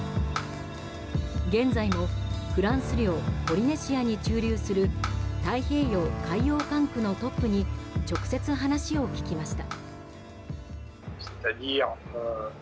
現在もフランス領ポリネシアに駐留する太平洋海洋管区のトップに直接、話を聞きました。